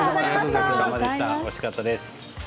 おいしかったです。